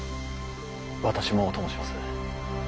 私もお供します。